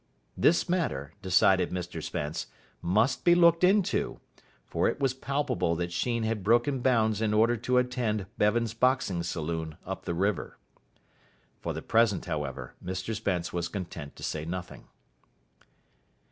This matter, decided Mr Spence, must be looked into, for it was palpable that Sheen had broken bounds in order to attend Bevan's boxing saloon up the river. For the present, however, Mr Spence was content to say nothing.